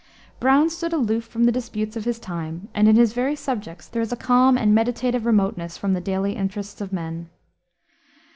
Browne stood aloof from the disputes of his time, and in his very subjects there is a calm and meditative remoteness from the daily interests of men.